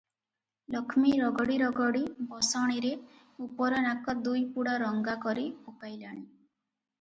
ଲକ୍ଷ୍ମୀ ରଗଡ଼ି ରଗଡ଼ି ବସଣୀରେ ଉପର ନାକ ଦୁଇପୁଡ଼ା ରଙ୍ଗା କରି ପକାଇଲାଣି ।